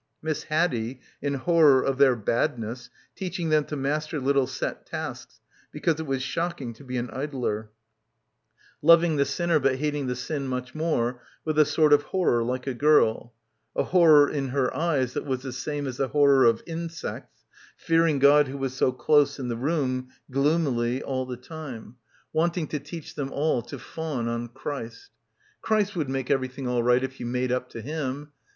Miss Haddie, in horror of their badness, teach ing them to master little set tasks because it was shocking to be an idler; loving the sinner but hating the sin much more, with a sort of horror like a girl, a horror in her eyes that was the same as the horror of insects, fearing God who was so close in the room, gloomily, all the time — want ing to teach them all to fawn on Christ. Christ would make everything all right if you made up to him.